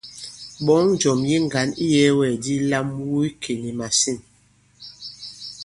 Ɓɔ̌ŋ njɔ̀m yi ŋgǎn iyɛ̄wɛ̂kdi lam wu ikè nì màsîn.